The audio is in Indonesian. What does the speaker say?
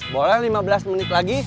boleh lima belas menit lagi